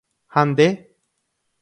Ha nde?